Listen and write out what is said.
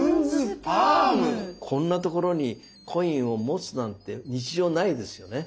こんなところにコインを持つなんて日常ないですよね。